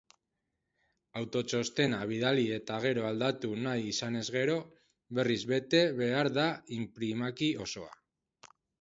Autotxostena bidali eta gero aldatu nahi izanez gero, berriz bete behar da inprimaki osoa.